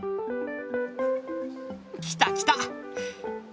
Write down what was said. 来た来た。